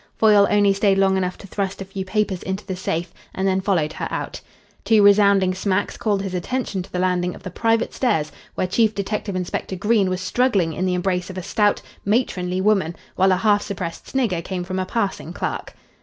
Foyle only stayed long enough to thrust a few papers into the safe, and then followed her out. Two resounding smacks called his attention to the landing of the private stairs, where Chief Detective Inspector Green was struggling in the embrace of a stout, matronly woman, while a half suppressed snigger came from a passing clerk.